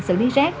xử lý rác